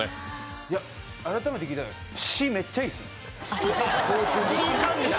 改めて聴いたら詞、めっちゃいいっすね。